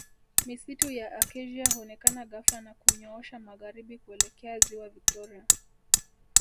Misitu ya Acacia huonekana ghafla na kunyoosha magharibi kuelekea ziwa Victoria